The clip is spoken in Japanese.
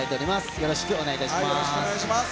よろしくお願いします。